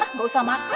nggak usah makan